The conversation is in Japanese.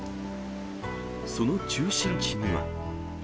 その中心地には。